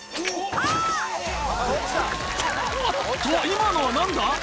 今のは何だ？